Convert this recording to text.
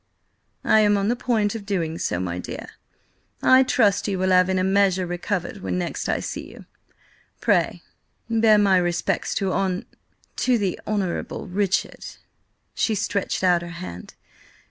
"I am on the point of doing so, my dear. I trust you will have in a measure recovered when next I see you. Pray bear my respects to Hon–to the Honourable Richard." She stretched out her hand.